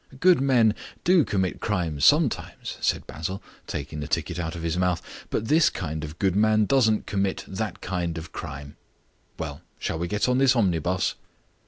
"Good men do commit crimes sometimes," said Basil, taking the ticket out of his mouth. "But this kind of good man doesn't commit that kind of crime. Well, shall we get on this omnibus?"